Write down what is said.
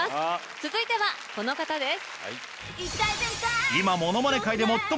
続いてはこの方です。